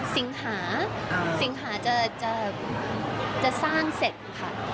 สิงหาสิงหาจะสร้างเสร็จค่ะ